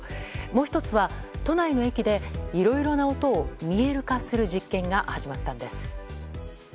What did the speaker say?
もう１つは、都内の駅でいろいろな音を見える化する実験が始まったんです。